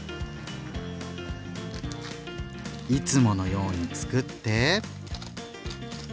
いつものようにつくって。